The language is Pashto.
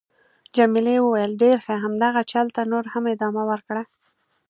جميلې وويل:: ډېر ښه. همدغه چل ته نور هم ادامه ورکړه.